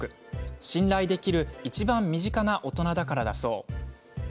信頼できるいちばん身近な大人だからだそう。